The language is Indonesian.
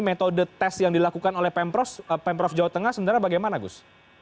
metode tes yang dilakukan oleh pemprov jawa tengah sebenarnya bagaimana gus